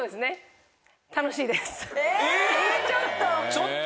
ちょっと。